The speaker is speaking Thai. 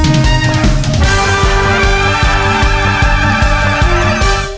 สวัสดีค่ะ